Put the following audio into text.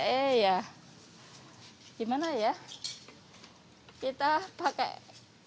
kemudian untuk opernya sendiri atau gudegnya ini kan juga sangat tempuk itu perlu masak berhasil diut isi nih